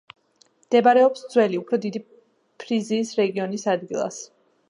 მდებარეობს ძველი, უფრო დიდი ფრიზიის რეგიონის ადგილას.